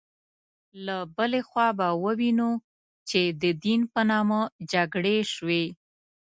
له بلې خوا به ووینو چې د دین په نامه جګړې شوې.